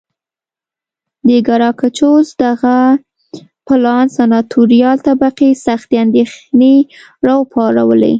د ګراکچوس دغه پلان سناتوریال طبقې سختې اندېښنې را وپارولې